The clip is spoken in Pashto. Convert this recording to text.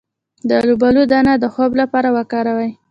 د الوبالو دانه د خوب لپاره وکاروئ